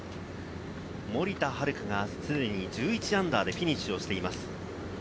森田遥がすでに−１１でフィニッシュをしています。